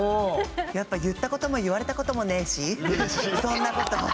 やっぱ言ったことも言われたこともねしそんなこと。